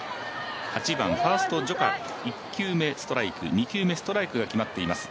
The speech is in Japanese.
８番ファースト徐佳１球目ストライク２球目はストライクが決まっています。